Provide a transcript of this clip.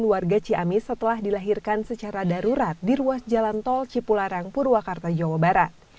warga ciamis setelah dilahirkan secara darurat di ruas jalan tol cipularang purwakarta jawa barat